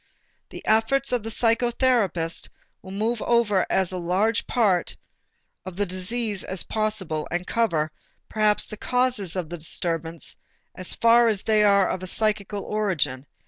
The efforts of the psychotherapist will move over as large a part of the disease as possible and cover, perhaps, the causes of the disturbance as far as they are of psychical origin.